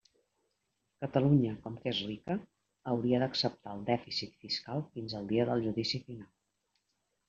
Catalunya, com que és rica, hauria d'acceptar el dèficit fiscal fins al dia del judici final.